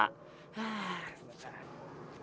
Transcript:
tukang pijit kagak dikasih tau nama